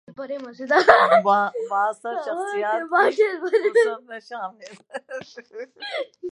بااثر شخصیات کی فہرست میں شامل